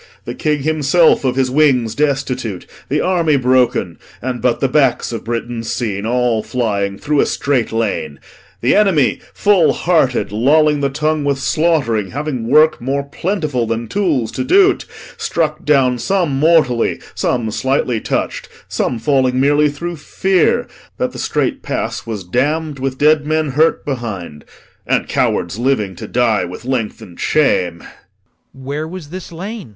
The King himself Of his wings destitute, the army broken, And but the backs of Britons seen, an flying, Through a strait lane the enemy, full hearted, Lolling the tongue with slaught'ring, having work More plentiful than tools to do't, struck down Some mortally, some slightly touch'd, some falling Merely through fear, that the strait pass was damm'd With dead men hurt behind, and cowards living To die with length'ned shame. LORD. Where was this lane?